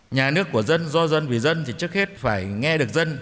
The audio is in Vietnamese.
nhà nước của dân do dân vì dân thì trước hết phải nghe được dân